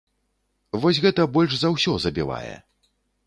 Вось гэта больш за ўсё забівае.